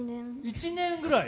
１年ぐらい？